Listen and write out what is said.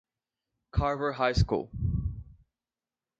Carver High School.